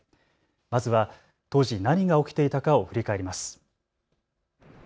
まずは当時、何が起きていたかを振り返ります。